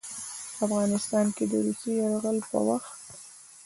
او په افغانستان د روسي يرغل په وخت